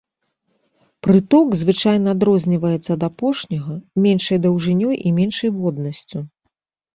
Прыток звычайна адрозніваецца ад апошняга меншай даўжынёй і меншай воднасцю.